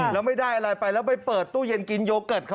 แล้วไม่ได้อะไรไปแล้วไปเปิดตู้เย็นกินโยเกิร์ตเขา